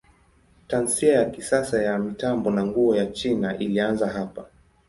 Tasnia ya kisasa ya mitambo na nguo ya China ilianza hapa.